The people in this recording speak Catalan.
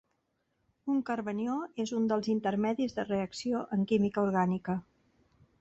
Un carbanió és un dels intermedis de reacció en química orgànica.